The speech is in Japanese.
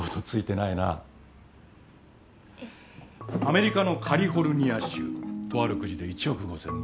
アメリカのカリフォルニア州とあるくじで１億５千万